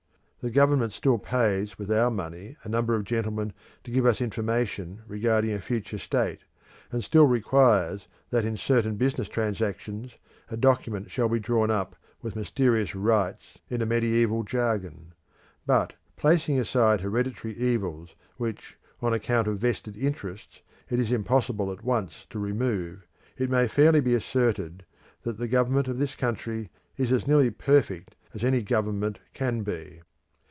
The government still pays with our money a number of gentlemen to give us information respecting a future state, and still requires that in certain business transactions a document shall be drawn up with mysterious rites in a mediaeval jargon; but, placing aside hereditary evils which, on account of vested interests, it is impossible at once to remove, it may fairly be asserted that the government of this country is as nearly perfect as any government can be.